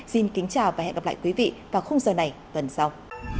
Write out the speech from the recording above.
xin kính chào và hẹn gặp lại quý vị vào khung giờ này tuần sau